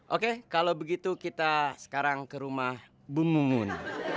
oke kalau begitu kita sekarang ke rumah bu mumun